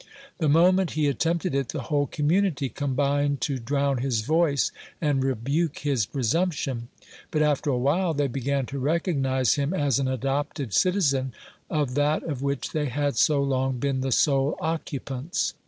The moment he attempted it, the whole community combined to drown his voice, and rebuke his presumption; but, after a while, they began to recognize him as an adopted citizen of that of which they had so long been the sole occupants.